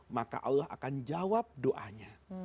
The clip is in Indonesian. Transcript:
maka allah akan jawab doanya